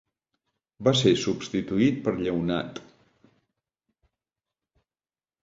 Va ser substituït per Lleonat.